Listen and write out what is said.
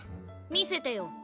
見せてよ。